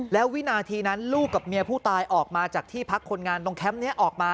แล้ววินาทีนั้นลูกกับเมียผู้ตายออกมาจากที่พักคนงานตรงแคมป์นี้ออกมา